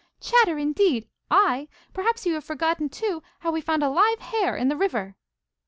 'Chatter, indeed? I!! Perhaps you have forgotten, too, how we found a live hare in the river?